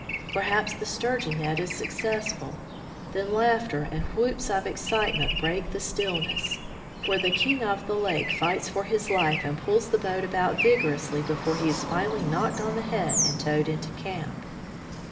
Perhaps the sturgeon net is successful ; then laughter and 176 From the Deep Woods to CwUizatian whoops of excitement break the stillness, for the king of the lake fights for his life and pulls the boat about vigorously before he is finally knocked on the head and towed into camp.